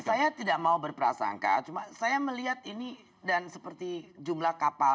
saya tidak mau berprasangka cuma saya melihat ini dan seperti jumlah kapal